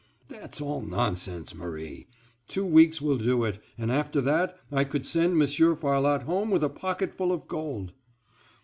"That's all nonsense, Marie. Two weeks will do it, and after that I could send Monsieur Farlotte home with a pocket full of gold."